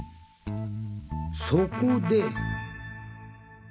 そこで。